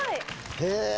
へえ。